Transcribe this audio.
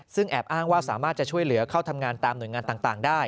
ซึ่งแอบอ้างว่าสามารถจะช่วยเหลือเข้าทำงานตามหน่วยงานต่างได้